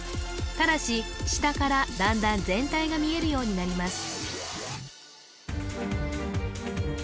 ただし下からだんだん全体が見えるようになります